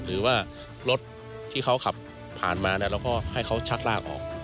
หรือว่ารถที่เขาขับผ่านมาเราก็ให้เขาชักลากออก